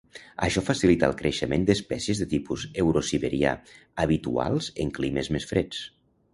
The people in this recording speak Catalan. Això facilita el creixement d'espècies de tipus eurosiberià, habituals en climes més freds.